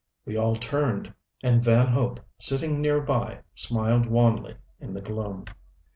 We all turned, and Van Hope, sitting near by, smiled wanly in the gloom.